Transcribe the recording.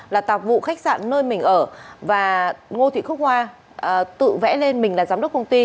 là tạp vụ khách sạn nơi mình ở và ngô thị khúc hoa tự vẽ lên mình là giám đốc công ty